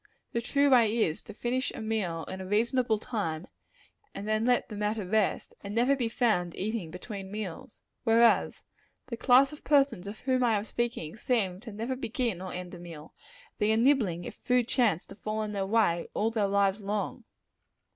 The true way is, to finish a meal in a reasonable time, and then let the matter rest; and never be found eating between meals. Whereas, the class of persons of whom I am speaking, seem never to begin or end a meal. They are nibbling, if food chance to fall in their way, all their lives long.